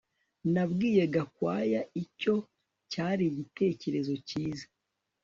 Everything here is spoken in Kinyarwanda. Nabwiye Gakwaya icyo cyari igitekerezo cyiza